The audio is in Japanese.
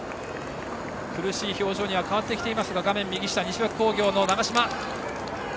苦しい表情には変わってきていますが西脇工業の長嶋。